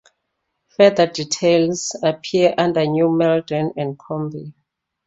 Further details appear under New Malden and Coombe.